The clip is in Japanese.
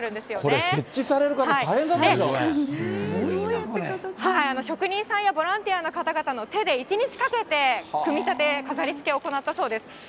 これ、設置される方、職人さんやボランティアの方々の手で、一日かけて組み立て、飾りつけを行ったそうです。